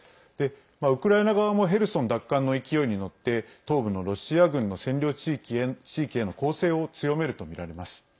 ウクライナ側もヘルソン奪還の勢いに乗って東部のロシア軍の占領地域への攻勢を強めるとみられます。